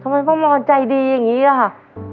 ทำไมพ้ามอนใจดีอย่างงี้ล่ะ